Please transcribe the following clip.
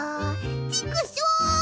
チクショー！